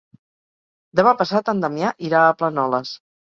Demà passat en Damià irà a Planoles.